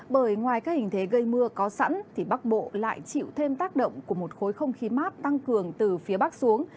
bởi ngoài các hình thế gây mưa có sẵn thì bắc bộ lại chịu thêm tác động của một khối không khí mát tăng cường từ phía bắc xuống